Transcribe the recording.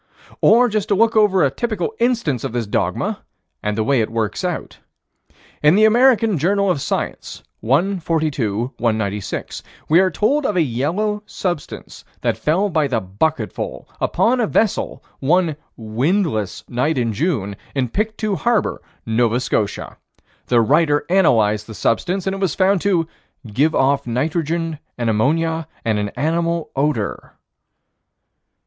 Or just to look over a typical instance of this dogma, and the way it works out: In the American Journal of Science, 1 42 196, we are told of a yellow substance that fell by the bucketful upon a vessel, one "windless" night in June, in Pictou Harbor, Nova Scotia. The writer analyzed the substance, and it was found to "give off nitrogen and ammonia and an animal odor."